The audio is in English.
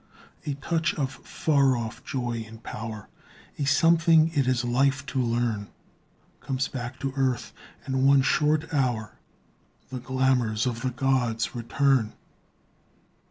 A touch of far off joy and power, A something it is life to learn, Comes back to earth, and one short hour The glamours of the gods return.